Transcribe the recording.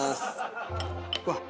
うわっ！